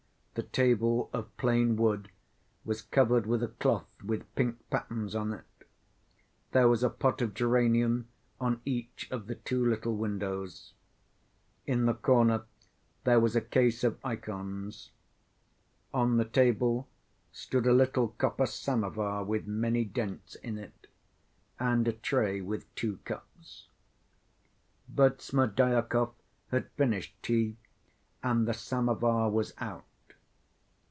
The table of plain wood was covered with a cloth with pink patterns on it. There was a pot of geranium on each of the two little windows. In the corner there was a case of ikons. On the table stood a little copper samovar with many dents in it, and a tray with two cups. But Smerdyakov had finished tea and the samovar was out.